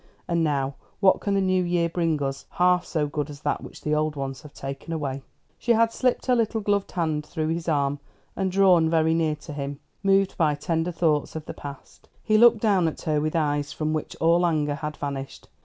And now, what can the new years bring us half so good as that which the old ones have taken away?" She had slipped her little gloved hand through his arm, and drawn very near to him, moved by tender thoughts of the past. He looked down at her with eyes from which all anger had vanished.